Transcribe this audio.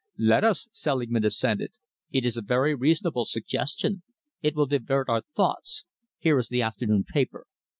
"Let us," Selingman assented. "It is a very reasonable suggestion. It will divert our thoughts. Here is the afternoon paper.